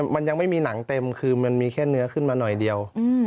มันยังไม่มีหนังเต็มคือมันมีแค่เนื้อขึ้นมาหน่อยเดียว